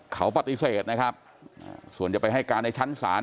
เขาปฏิเสธนะครับส่วนจะไปให้การในชั้นศาล